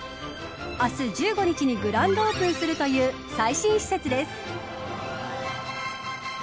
明日１５日にグランドオープンするという最新施設です。